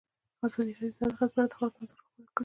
ازادي راډیو د عدالت په اړه د خلکو نظرونه خپاره کړي.